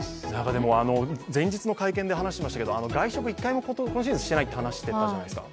でも前日の会見で話していましたけれども、外食一回も今シーズンしていないという話をしていたじゃないですか。